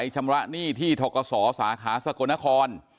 ชำระหนี้ที่ทกศสาขาสกลนคร